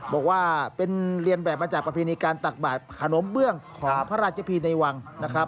บอกว่าเป็นเรียนแบบมาจากประเพณีการตักบาดขนมเบื้องของพระราชพิธีในวังนะครับ